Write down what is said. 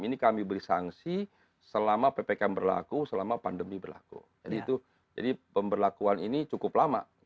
ini kami beri sanksi selama ppkm berlaku selama pandemi berlaku jadi itu jadi pemberlakuan ini cukup lama